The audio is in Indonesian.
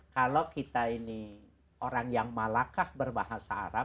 kalau kita ini orang yang malakah berbahasa arab